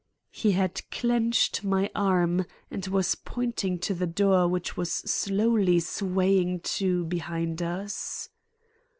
He had clenched my arm and was pointing to the door which was slowly swaying to behind us.